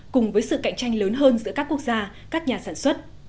cùng với sự cạnh tranh lớn hơn giữa các quốc gia các nhà sản xuất